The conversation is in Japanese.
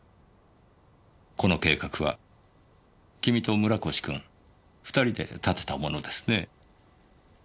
この計画は君と村越君２人で立てたものですね？